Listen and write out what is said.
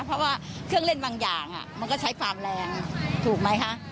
เพราะว่าเครื่องเล่นบางอย่างมันก็ใช้ความแรงถูกไหมคะ